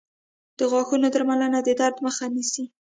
• د غاښونو درملنه د درد مخه نیسي.